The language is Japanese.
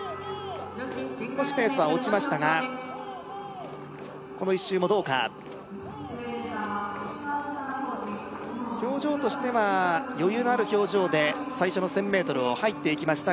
少しペースは落ちましたがこの１周もどうか表情としては余裕のある表情で最初の１０００ｍを入っていきました